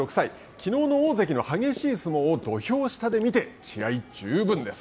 きのうの大関の激しい相撲を土俵下で見て気合い十分です。